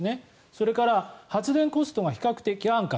それから発電コストが比較的安価。